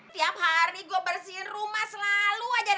tiap hari gue bersihin rumah selalu aja